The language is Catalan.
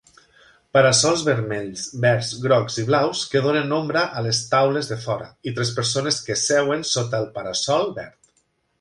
Para-sols vermells, verds, grocs i blaus que donen ombra a les taules de fora i tres persones que seuen sota el para-sol verd